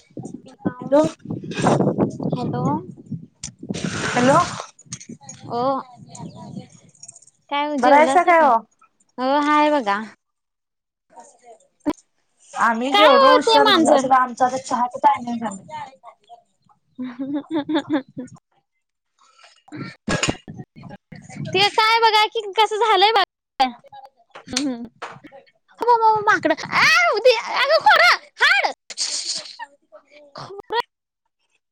[inaudible] Hello. Hello. Hello. वो काय वो बरं आहेसा जेवलासा काय? ओ? हो हाय बघा. [inaudible] आम्ही काय जेवलो हो ते उशर मांजर जरा आमच आता चहाच टायमिंग झाली. [inaudible] [inaudible] ते काय बघा कि, कस झालंय बघा. हम‌्. [inaudible] खोबरं.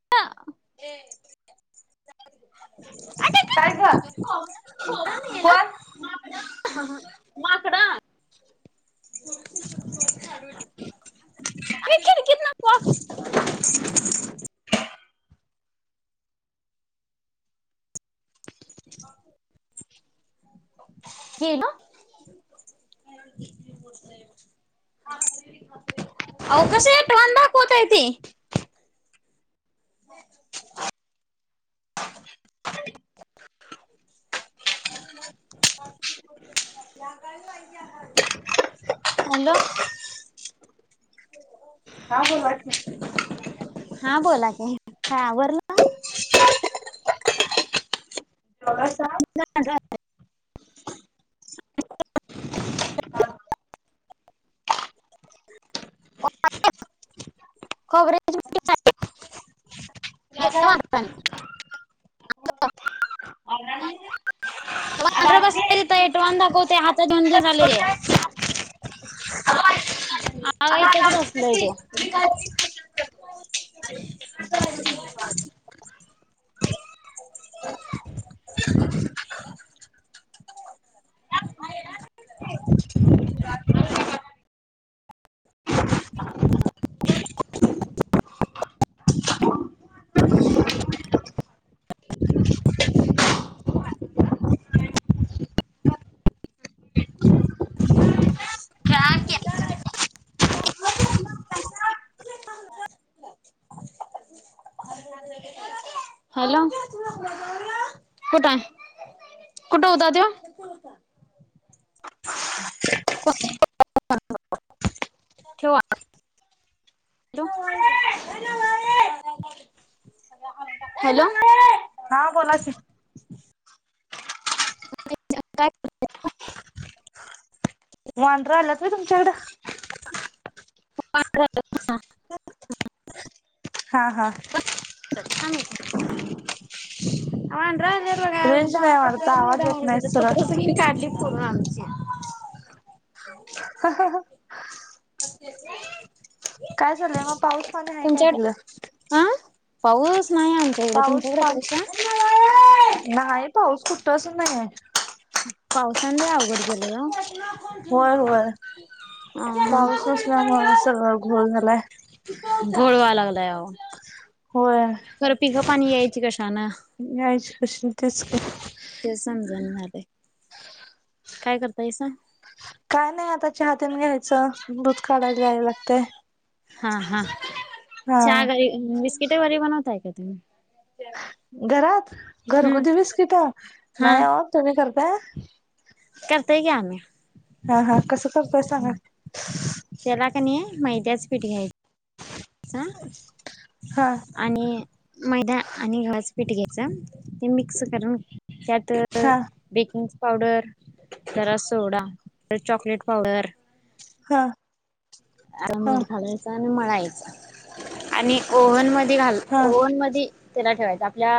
[unintelligible] काय ग? कोण? माकडं. खिडकीतन वाक गेलं? अव कसं ये तोंड दाखवतय ते. [inaudible] [inaudible] [inaudible] हॅलो. हा बोला की. हा बोला की, काय आवरलं? जेवलसा? [unintelligible] [unintelligible] खोबऱ्याची नेल वांडरानी. [inaudible] ते वानडर बसलेलित ॲडव्हान दाखवतय. [unintelligible] आग इथच बसलंय ते. [inaudible] [inaudible] [unintelligible] [inaudible] [inaudible] [inaudible] [inaudible] हॅलो. कुठाय? कुठं हुता त्यो? [inaudible] ठीवा. Hello [unintelligible] hello. हा बोला की. वांडरं आल्यात व्हय तुमच्याकडं? [unintelligible] हा हा [inaudible] थांब एक वाडंरं आल्यात. तेच बघा रेंज दा नाही वाटत पत्र्यावरनं आवाज उड्या येत मारा नाही लागल्यात सरळ पत्रंं सगळी काढलीत पूर्ण आमची. हा ह ह [unintelligible] काय चाललंय मग पाऊस पण हाय काय तिकडं? हं. पाऊस नाही आमच्या हिकडं, तुमच्याकडं पाऊस हाय? कृष्णाबाळे नाही पाऊस कुठंच नाही हाय. पावसान ल‌ई अवघड केलंय ओ. ह होय होय हं चष्मा पाऊस कुणाचा हाय नसल्यामुळे यो? सगळं घोळ झालाय घोळ व्हा लागलाय अवो. होय. खरं पिकं पाणी यायची कशानं. यायची कशी तेच की. तेच समजना झालंय, काय करतायसा? काय नाही आता चहा तेन घ्यायचं, दूध काढायला जायाला लागतंय. हा हा हा चहा घरी बिस्किट घरी बनवताय का तुम्ही? घरात हम्म घरगुती बिस्किटं हा. नाही वो. तुम्ही करताय? करतोय की आम्ही. हा हा कसं करताय सांगा. त्याला का नाही मैद्याच पीठ घ्यायचं, आ हां.. आणि मैदा आणि घवाचं पीठ घ्यायचं ते मिक्स करून त्यात त हा बेकिंग पावडर, जरा सोडा, जरा चॉकलेट पावडर, हा आता हा मीठ घालायचा आणि मळायचं. आणि ओव्हन मध्ये घाल हा ओव्हन मधी त्याला ठेवायचं आपल्या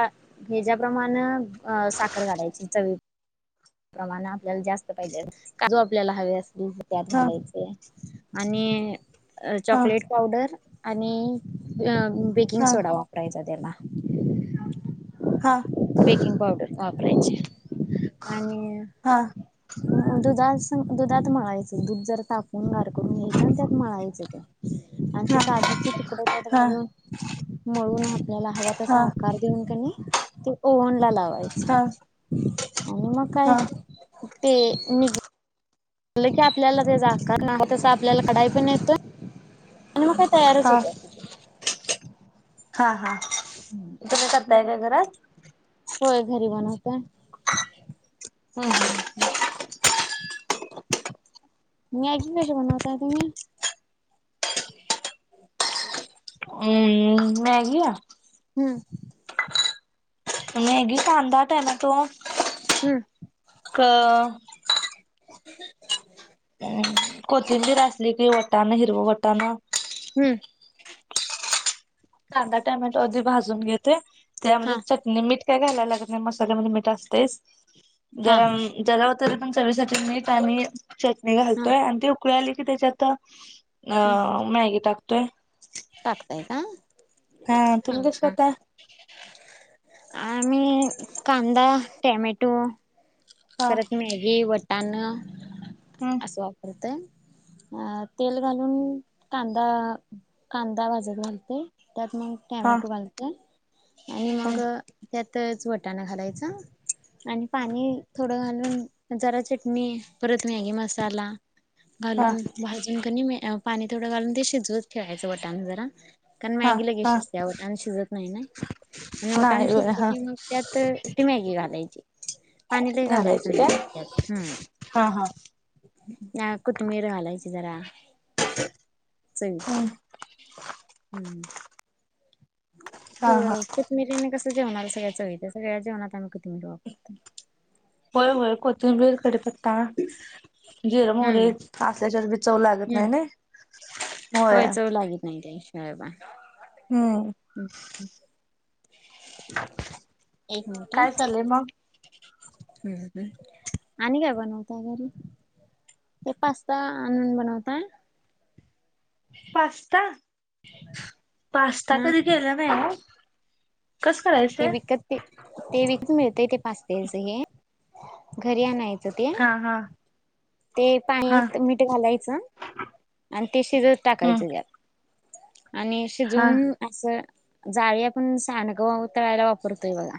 ह्याच्याप्रमाण अ साखर घालायची चवी प्रमाणं आपल्याला जास्त पाहिजेल, काजू आपल्याला हवे असतील त्यात हा घालायचे. आणि हा चॉकलेट पावडर आणि बेकिंग हा सोडा वा परायचा तेला. हा... बेकिंग पावडर वापरायचे आणि. हा दुधात दुधात मळायचं दुध जर तापून गार करून घ्यायचं आणि त्यात मळायचं ते. आणि ती हा काजूचे तुकड त्यात हा घालून. म्हळून आपल्याला हव हा तसा आकार देऊन त्यांनी. ओओन ला लावायच हा आणि मग काय हा ते निघ. की आपल्याला ज जाकार नाही तस आपल्याला कढाई पण येतोय आणि मग काय तयारच हा होत. हा हा इथे काय करताय का घरात. होय भरी बनवते. हम ह. ह ह. मीॅगी कश बनवता तुम्ही. अम्म मॅगया. हम्म. तम हग खदा टाम त. हम. का? कोथिंबीर असली की वटाान हिरव वटान. हम्म. कांदा टोमॅटो आधी भाजून घेते हा त्यामध्ये च. मीठ काय घालायला लागत नाही मसाल्यामध्ये, मीठ असतेयज हा जरा जरा. तरी पण चवीसाठी मीठ आणि चटणी हा घालतोय, आणि ते उकळी आली की त्याच्यात. अ हा मॅगी टाकतोय. टाकताय का. हा तुम्ही कस करता. आम्ही कांदा टेमॅटो. हा परत मॅगी वटाणा. हम्म. वापरतय अ तेल घालून. कांदा कांदा भाजत घालते त्यात मग हा टॅमॅटो घालते. आणि मग त्यातच वटाणा घालायचा आणि ह पाणी. थोडं घालून जरा चटणी परत मॅगी मसाला. हा घालून भाजून कणी पाणी थोडं घालून ते शिजवत ठेवायचं वटाणा जरा. कारण हा मॅगी लगेच हा शिजते आव आणि अन्न शिजत नाही ना. आणि मटण नाही होय शिजल हा की मग त्यात ती मॅगी घालायची. पाणी लई घालायच घालायची नाही काय ज्यात त्यात हम्. हा हा. हा कोथिंबीर घालायची जरा. हम्म चवित्या हम्म. हा हा कोथिंबीरिन कसं जेवणाला सगळ्या चव येतेय तर सगळ्या जेवणात आम्ही. कोथिंबीर वापरतो होय होय कोथिंबीर कडी पत्ता जिर मोहरी. हम्म असल्याच्या बी. चव लागत हम्म नाही नाही होय चव लागत नाही त्याशिवाय प. हम्म. हम्. मिनिट हा काय हम्म चाललय मग. आणि काय बनवता घरी. ते पास्ता आणून बनवताय. पास्ता, पास्ता हा कधी केला नाही ओ. ते विकत ते ते विकत मिळतय ते पास्तेच ते हे घरी आणय. हा हा. ते हा पाण्यात मीठ घालायचं आणि ते शिजत हम्म टाकायचं त्यात. आणि हा शिजवून. असं जाळी आपण सांडगं तळायला वापरतोय बघा.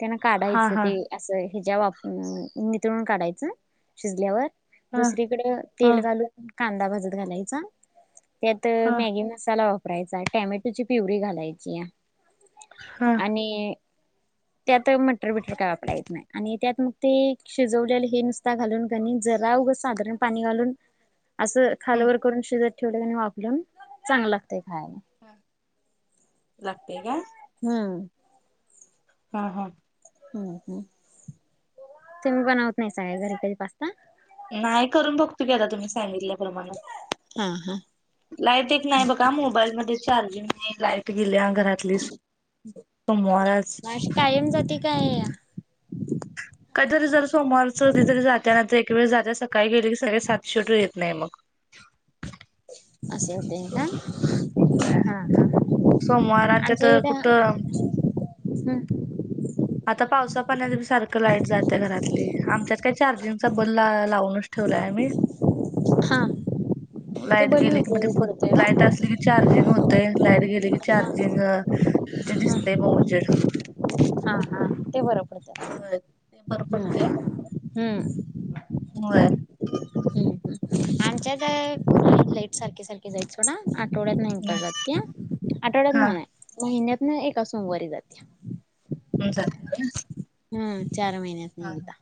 त्यांना हा काढायचं ते हा असं ह्याच्या वाप नितळून काढायचं शिजल्यावर. हा दुसरीकड हा तेल घालून कांदा भाजत घालायचा त्यात हा मॅगी मसाला वापरायचा टेमॅटोची प्युरी घालायची आणि..... हम. त्यात मटर बिटर काय वापर येत नाही आणि त्यात मग ते शिजवलेलं हे नुसता घालून कनी. जरा उग साधारण पाणी घालून असं हम्म खालवर करून शेजत ठेवलं वा. चांगल लागत खायला. [inaudible] लागते काय. हम्म. आ हा. हम् ह ते बनवत नाय सगळे घरी तरी पास्ता. नाय करून बघतूआता तुम्ही सांगितल्याप्रमाने. आ हा. लाईट एक नाय बघा मोबाईलमध्ये चार्जिंग नाय लाईट गेल्या घरात. लीस सोमवारच. मग अशी कायम जाती काय. काहीतरी जर सोमवारचं कधीरी जात्या नंतर एकवेेळी जात्या सकाळी गेली की सगळी सात शेवटी येत नाही मग. असशे होते ना. हा ह सोमवारांच्या आमच्या तर इथे कुठं हम् आता पावसा पाण्या सारखं लाईट जाते घरातली आमच्यात काय चार्जिंगचा बल लावूनच ठेवलाय आम्ही हा ते लाईट बल गेली की उपयोगी म्हणजे पडतोय लाईट ओ. असली की चार्जिंग होते. लाईट गेली की हा चार्जिंग ते हा. दिसतेय म उजेड. हा ते होय बरं ते बरं पडते पडत हम् हम्म होय ह्म आमच्याइथे लाईट सारखी सारखी जाय आ आठवड्यात नाही जात आठवड्यात हा नाही नाही महिन्यात ना एका सोमवारी जातीय हो ते ना हम्म चार महिन्यात न एकदा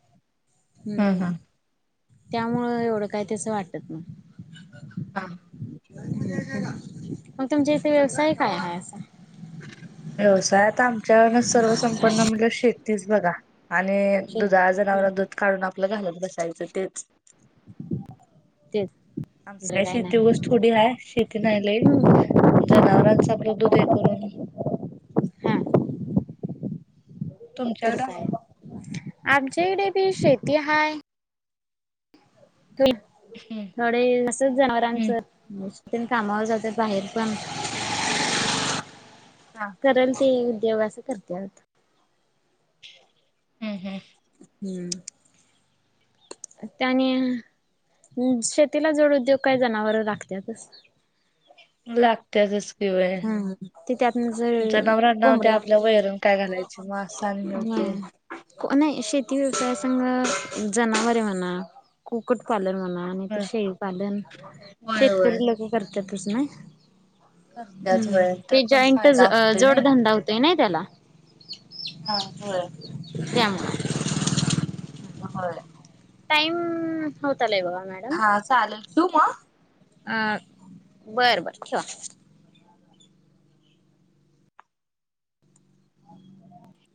हम्म.. त्यामुळं एवढं काय तस वाटत नाही हा मग तुमच्या इथे व्यवसाय काय आहे असा. व्यवसायात आमच्यान सर्वसंपन्न म्हणजे शेतीच बघा. आणि शेती दुधा हम्म जनावर दूध काढून आपलं घालत बसायचं तेच ते आमची काय शेती गोष्ट थोडी ह शेती नाहीले हम्म जनावरांचा आपला दूध हे करून, हा तर तुमच्याकडं काय मग? आमच्याइडे बी शेती हाय. [unintelligible] हम्म. थोडे असच जनावरांच हम्म [unintelligible] कामावर जातेत बाहेर पण. हा. [unintelligible] ते देवाचं करत्यात. हम्म हम्म. हम्म. त्याने शेतीला जोड उद्योग काय जनावर लागत्यातचं. लागत्यातचं. पिवळ्या, हम्म. ते त्यातन जर जनावरांना ते कोंबड्या आपल्या वैरून काय घालायचे म असं आणि हे होतंय. हम्म नाही शेती व्यवसायसंग जनावरे म्हणा, कुकुट पालन म्हणा नाहीतर होय शेळी, होय होय शेतकरी [unintelligible] करतातच ना. करत्यात हम्म, व्हय त्यात ते पण जॉईंटच फायदा अ असतोय जोड नई. धंदा होतोय ना त्याला. हा होय, त्यामुळे होय. टाईम होत आलय बघा मॅ हा चालेल ठेऊ मग? अ बरं बरं ठेवा.